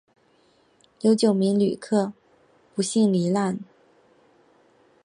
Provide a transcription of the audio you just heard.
有九位旅客不幸罹难